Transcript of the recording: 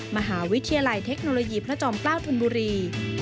มหาวิทยาลัยเทคโนโลยีพระจอมเกล้าธนบุรี